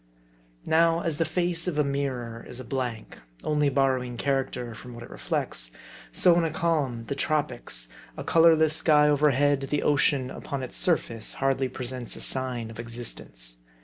Now, as the face of a mirror is a blank, only borrowing character from what it reflects ; so in a calm in the Tropics, a colorless sky overhead, the ocean, upon its surface, hardly presents a sign of existence.